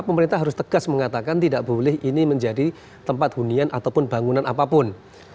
pemerintah harus tegas mengatakan tidak boleh ini menjadi tempat hunian ataupun bangunan apapun